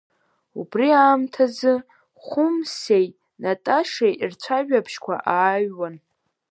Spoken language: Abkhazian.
Убри аамҭазы, Хәымсеи Наташеи рцәажәабжьқәа ааҩуан…